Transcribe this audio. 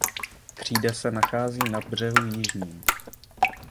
Křída se nachází na břehu jižním.